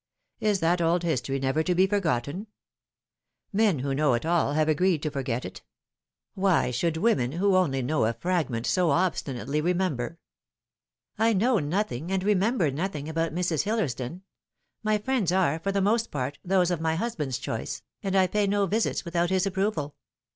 Is that old history never to be for gotten ? Men, who know it all, have agreed to forget it : why Should women, who only know a fragment, so obstinately re member ?" "I know nothing, and remember nothing, about Mrs. Hillersdon. My friends are, for the most part, those of my husband's choice, and I pay no visits without his approval.